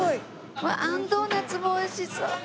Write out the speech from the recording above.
うわっあんドーナツも美味しそう！